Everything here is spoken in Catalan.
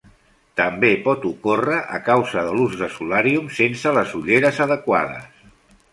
També pot ocórrer a causa de l'ús de solàriums sense les ulleres adequades.